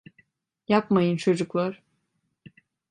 Yapmayın çocuklar.